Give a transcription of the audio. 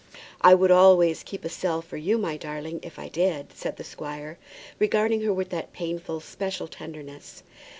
"I would always keep a cell for you, my darling, if I did," said the squire, regarding her with that painful, special tenderness.